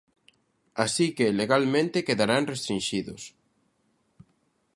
Así que, legalmente, quedarán restrinxidos.